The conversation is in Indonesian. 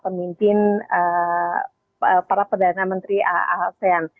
pemimpin para perdana menteri asean